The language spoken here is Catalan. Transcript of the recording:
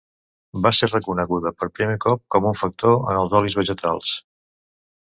Va ser reconeguda per primer cop com un factor en els olis vegetals.